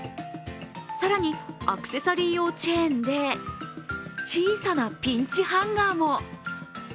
更に、アクセサリー用チェーンで小さなピンチハンガーも。